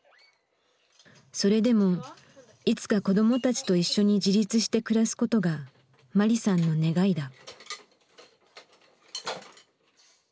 それでもいつか子どもたちと一緒に自立して暮らすことがマリさんの願いだ。